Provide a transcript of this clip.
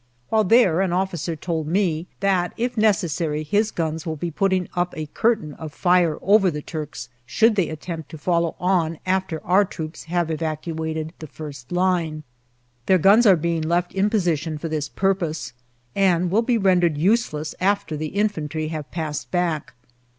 While there, an officer told me that if necessary his guns will be putting up a curtain of fire over the Turks should they attempt to follow on after our troops have evacuated the first line. Their guns are being left in position for this purpose, and will be rendered useless after the infantry have passed back.